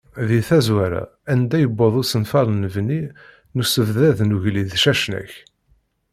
Deg tazwara, anda yewweḍ usenfar n lebni n usebddad n ugellid Cacnaq.